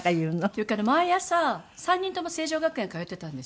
毎朝３人とも成城学園通ってたんですよ。